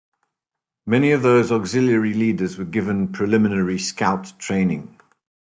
Many of those auxiliary leaders were given preliminary Scout training.